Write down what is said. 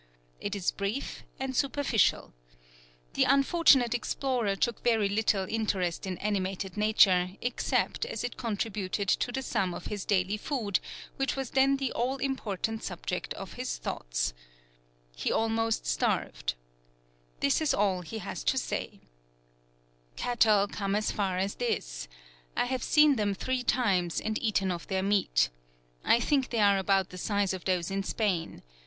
It is brief and superficial. The unfortunate explorer took very little interest in animated nature, except as it contributed to the sum of his daily food, which was then the all important subject of his thoughts. He almost starved. This is all he has to say: [Note 1: Davis' Spanish Conquest of New Mexico. 1869. P. 67.] "Cattle come as far as this. I have seen them three times, and eaten of their meat. I think they are about the size of those in Spain.